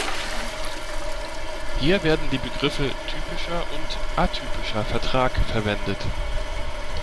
Hier werden die Begriffe "typischer" und "atypischer Vertrag" verwendet.